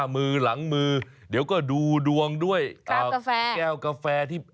มือหลังมือเดี๋ยวก็ดูดวงด้วยกาแฟแก้วกาแฟที่